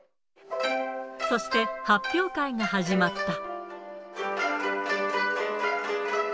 そして、発表会が始まった。